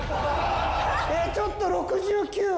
えっちょっと６９は。